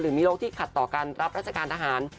มีโรคที่ขัดต่อการรับราชการทหาร